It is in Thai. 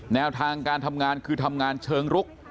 แนวทางการทำงานคือทำงานเชิงรุก